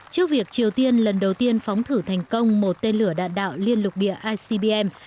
trước việc triều tiên lần đầu tiên phóng thử thành công một tên lửa đạn đạo liên lục địa icbm